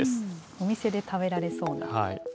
お店で食べられそうな。